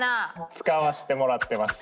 使わしてもらってます。